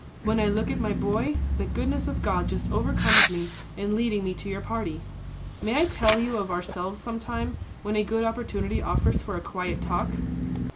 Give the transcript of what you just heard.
When I look at my boy, the goodness of God just overcomes me in leading me to your party. May I tell you of ourselves some time, when a good opportunity offers for a quiet talk?"